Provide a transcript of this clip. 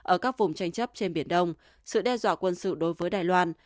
ở các vùng tranh chấp trên biển đông sự đe dọa quân sự đối với đài loan